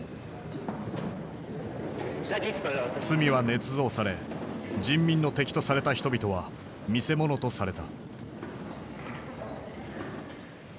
罪はねつ造され人民の敵とされた人々は見せ物とされた。